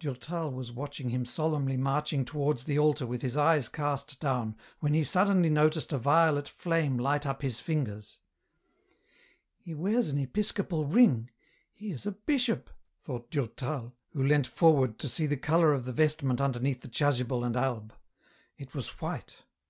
Durtal was watching him solemnly marching towards the altar with his eyes cast down when he suddenly noticed a violet flame light up his fingers. " He wears an episcopal ring, he is a bishop," thought Durtal, who leant forward to see the colour of the vest ment underneath the chasuble and alb. It was white.